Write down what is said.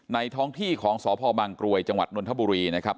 ในท้องที่ของสพบางกรวยจนวลธบุรีนะครับ